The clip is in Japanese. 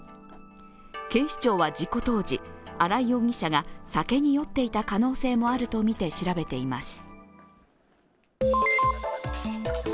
警視庁は事故当時、荒井容疑者が酒に酔っていた可能性もあるとみて調べています。